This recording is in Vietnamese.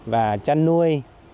và chăn nuôi